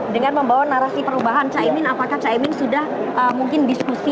dengan membawa narasi perubahan caimin apakah caimin sudah mungkin diskusi